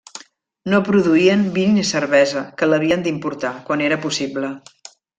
No produïen vi ni cervesa, que l'havien d'importar, quan era possible.